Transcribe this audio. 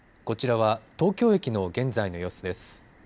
こちらは東京駅の現在の様子です。